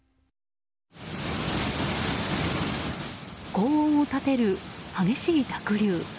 轟音を立てる激しい濁流。